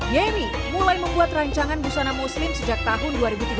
yemi mulai membuat rancangan busana muslim sejak tahun dua ribu tiga belas